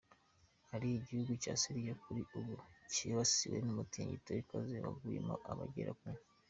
Ahari igihugu cya Syria kuri ubu, hibasiwe n’umutingito ukaze waguyemo abagera ku ,.